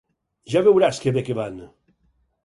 Ja veuràs què bé que van.